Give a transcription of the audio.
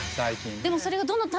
でもそれがどの。